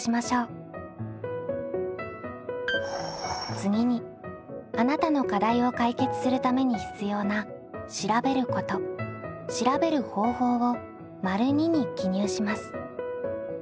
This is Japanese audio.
次にあなたの課題を解決するために必要な「調べること」「調べる方法」を②に記入します。